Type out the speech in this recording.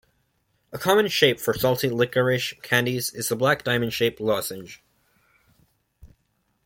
A common shape for salty liquorice candies is a black diamond-shaped lozenge.